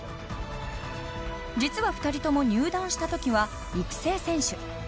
実は２人とも入団した時は育成選手。